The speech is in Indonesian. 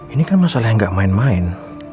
ini kan masalah yang gak main main